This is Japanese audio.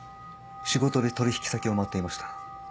仕事で取引先を回っていました。